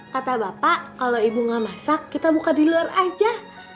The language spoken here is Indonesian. kata bapak kalau ibu nggak masak kita buka di luar aja